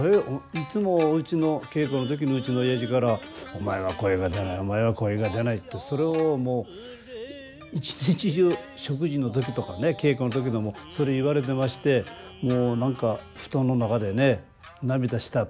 いつもうちの稽古の時にうちの親父から「お前は声が出ないお前は声が出ない」ってそれをもう一日中食事の時とかね稽古の時でもそれ言われてましてもう何か布団の中でね涙した時もありましたね。